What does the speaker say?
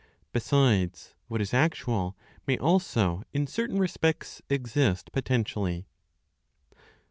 Besides, what is actual may also in certain respects exist potentially.